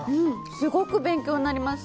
すごく勉強になります。